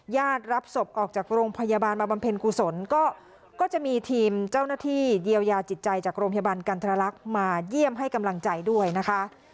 ญาติรับศพออกจากโรงพยาบาลมาบำเพ็ญกุศลก็จะมีทีมเจ้าหน้าที่เยียวยาจิตใจจากโรงพยาบาลกันทรลักษณ์มาเยี่ยมให้กำลังใจด้วยนะคะ